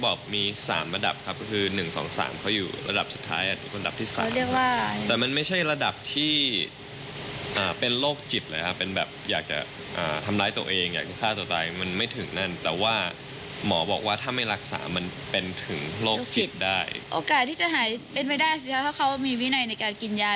โอกาสที่จะหายเป็นไม่ได้แล้วก็เค้ามีวินัยในการกินยา